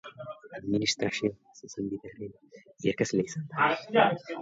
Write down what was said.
Administrazio Zuzenbidearen irakaslea izan da.